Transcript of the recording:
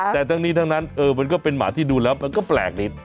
แต่ทั้งนี้ทั้งนั้นมันก็เป็นหมาที่ดูแล้วมันก็แปลกนิด